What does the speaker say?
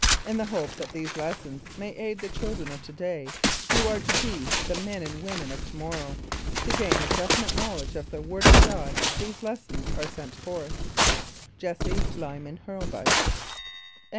In the hope that these lessons may aid the children of to day, who are to be the men and women of to morrow, to gain a definite knowledge of the Word of God these lessons are sent forth. JESSE LYMAN HURLBUT.